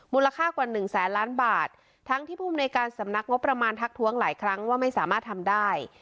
มูลค่ากว่าหนึ่งแสนล้านบาททั้งที่ภูมิในการสำนักงบประมาณทักท้วงหลายครั้งว่าไม่สามารถทำได้